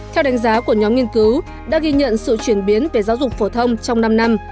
theo đánh giá của nhóm nghiên cứu đã ghi nhận sự chuyển biến về giáo dục phổ thông trong năm năm